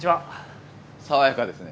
さわやかですね。